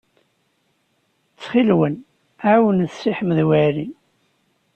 Ttxil-wen, ɛawnet Si Ḥmed Waɛli.